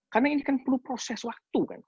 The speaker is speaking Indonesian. karena ini kan perlu proses waktu kan